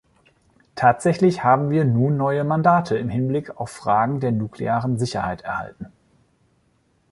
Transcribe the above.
Tatsächlich haben wir nun neue Mandate in Hinblick auf Fragen der nuklearen Sicherheit erhalten.